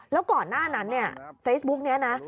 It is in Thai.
แล้วก่อนหน้านั้นเนี่ยเฟซบุ๊กนี้นะ